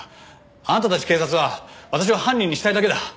あなたたち警察は私を犯人にしたいだけだ。